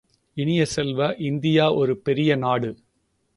இனிய செல்வ, இந்தியா ஒரு பெரியநாடு!